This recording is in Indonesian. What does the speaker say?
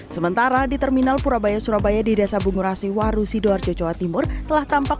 sementara di terminal purabaya surabaya di desa bungurasi waru sidoarjo jawa timur telah tampak